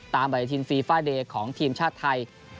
ตามใบรัฐีฟีฟาเดย์ของทีมชาติไทย